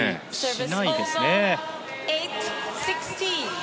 しないですね。